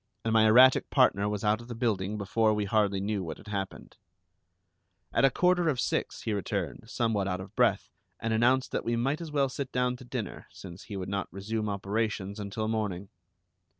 And my erratic partner was out of the building before we hardly knew what had happened. At a quarter of six he returned, somewhat out of breath, and announced that we might as well sit down to dinner, since he would not resume operations until morning.